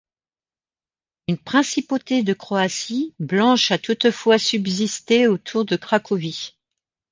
Une principauté de Croatie blanche a toutefois subsisté autour de Cracovie.